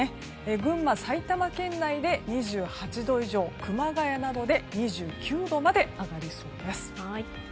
群馬、埼玉県内で２８度以上熊谷などで２９度まで上がりそうです。